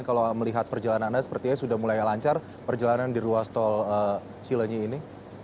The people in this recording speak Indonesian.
kalau melihat perjalanannya sepertinya sudah mulai lancar perjalanan di ruas tol cilenyi ini